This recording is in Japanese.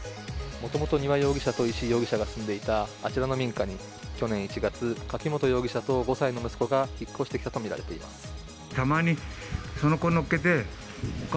もともと丹羽容疑者と石井容疑者が住んでいたあちらの民家に去年１月、柿本容疑者と５歳の息子が引っ越してきたとみられています。